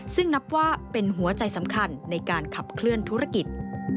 ซึ่งนับว่าเป็นหัวใจสำคัญในการขับเคลื่อนธุรกิจ